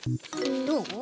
どう？